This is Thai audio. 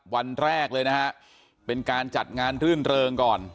วันแรกเลยนะฮะเป็นการจัดงานรื่นเริงก่อน